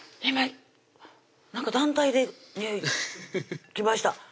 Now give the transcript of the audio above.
今なんか団体で来ました